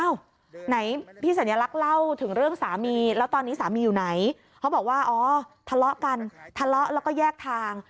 แล้วตอนนี้สามีอยู่ไหนเขาบอกว่าโอทะเลาะกันทะเลาะแล้วก็แยกทาง